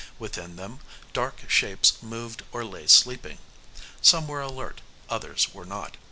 Within them, dark shapes moved or lay sleeping. Some were alert, others were not.